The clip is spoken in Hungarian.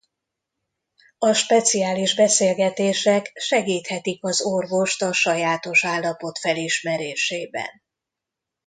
A speciális beszélgetések segíthetik az orvost a sajátos állapot felismerésében.